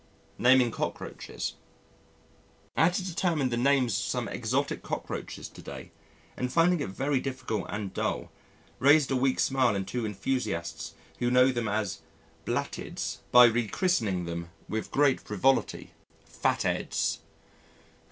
Naming Cockroaches I had to determine the names of some exotic cockroaches to day and finding it very difficult and dull raised a weak smile in two enthusiasts who know them as "Blattids" by rechristening them with great frivolity, "Fat 'eds."